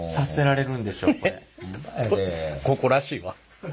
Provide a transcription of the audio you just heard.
ここらしいわ。